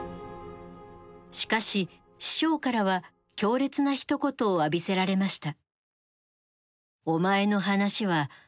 しかし師匠からは強烈なひと言を浴びせられました。